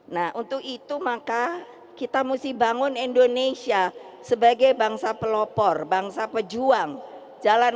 nah untuk itu maka kita mesti bangun indonesia sebagai bangsa pelopor bangsa pejuang jalan